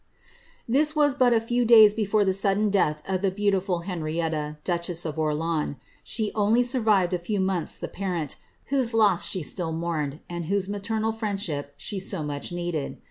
'' This was hot a few days before the sudden death of the beautiful Henrietta, duchess of Orleans ; she only surTived a few months the parent, whose loss she still mourned, and whose maternal friendship she so much needed.